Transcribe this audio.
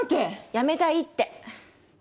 辞めたいって。